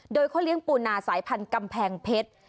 โดยเขาเลี้ยงปูนาสายพันธุ์กำแพงเพชร